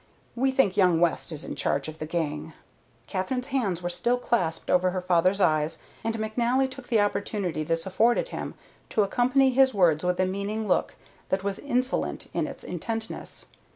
We think young West is in charge of the gang." Katherine's hands were still clasped over her father's eyes, and McNally took the opportunity this afforded him to accompany his words with a meaning look that was insolent in its intentness.